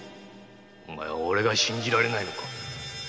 お前はおれが信じられないのか！？